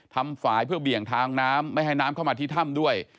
ฝ่ายเพื่อเบี่ยงทางน้ำไม่ให้น้ำเข้ามาที่ถ้ำด้วย